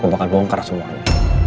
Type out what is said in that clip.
gue bakal bongkar semuanya